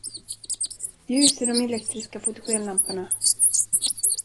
Ljus i de elektriska fotogenlamporna!